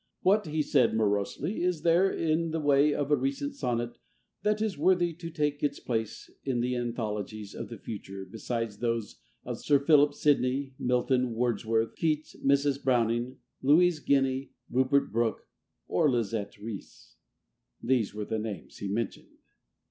What (he said morosely) is there in the way of a recent sonnet that is worthy to take its place in the anthologies of the future beside those of Sir Philip Sidney, Milton, Wordsworth, Keats, Mrs. Browning, Louise Guiney, Rupert Brooke, or Lizette Reese? (These were the names he mentioned.)